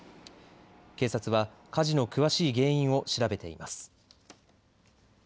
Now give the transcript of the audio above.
警察は火事の詳しい原因を調べています。